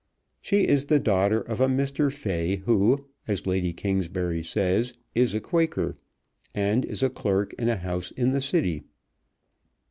She is the daughter of a Mr. Fay who, as Lady Kingsbury says, is a Quaker, and is a clerk in a house in the City.